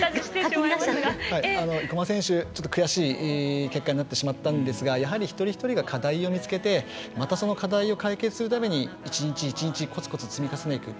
生馬選手、悔しい結果になってしまいましたがやはり一人一人が課題を見つけてまたその課題を解決するために１日１日コツコツ積み重ねていく。